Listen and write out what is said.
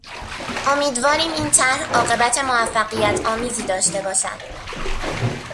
امیدواریم این طرح عاقبت موفقیتآمیزی داشته باشد.